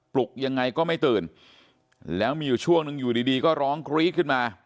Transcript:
ลุกยังไงก็ไม่ตื่นแล้วมีอยู่ช่วงหนึ่งอยู่ดีดีก็ร้องกรี๊ดขึ้นมา